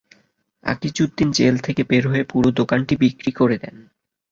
Akijuddin jail থেকে বের হয়ে পুরো দোকানটি বিক্রি করে দেন।